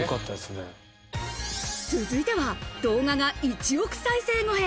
続いては動画が１億再生超え。